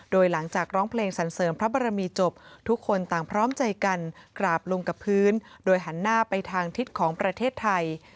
โดยหลังจากร้องเพลงสันเสริมพระบรมีจบทุกคนต่างพร้อมใจกันกราบลงกับพื้นโดยหันหน้าไปทางทิศของประเทศไทย